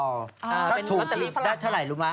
ถ้าถูกได้เท่าไหร่รู้มั้ย